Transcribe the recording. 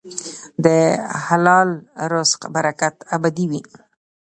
د حلال رزق برکت ابدي وي.